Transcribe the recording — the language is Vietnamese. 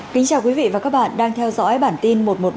cảm ơn các bạn đã theo dõi